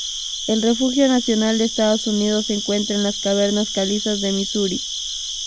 El refugio nacional de Estados Unidos se encuentra en las cavernas calizas de Misuri.